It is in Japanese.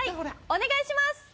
お願いします